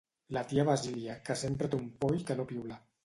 La tia Basília, que sempre té un poll que no piula.